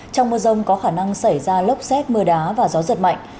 trong mưa rông có khả năng xảy ra lốc xét mưa đá và gió giật mạnh